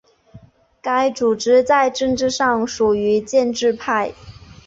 该组织在政治上属于建制派。